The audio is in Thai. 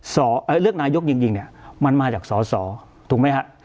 สวอลโดนเลือกนายกจริงจริงเนี้ยมันมาจากศาสตร์ถูกไหมฮะ